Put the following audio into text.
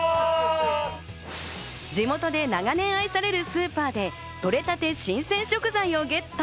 地元で長年愛されるスーパーでとれたて新鮮食材をゲット。